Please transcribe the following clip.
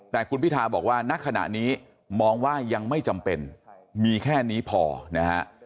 แต่คุณพิทาบอกว่าณขณะนี้มองว่ายังไม่จำเป็นมีแค่นี้พอนะฮะ